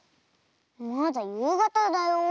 まだゆうがただよ。